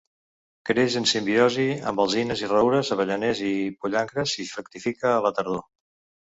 Creix en simbiosi amb alzines i roures, avellaners i pollancres i fructifica a la tardor.